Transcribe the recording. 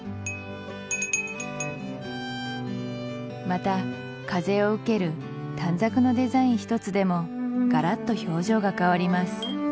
また風を受ける短冊のデザイン一つでもガラッと表情が変わります